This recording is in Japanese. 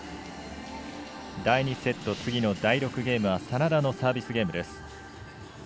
第２セット次の第６ゲームは眞田のサービスゲームです。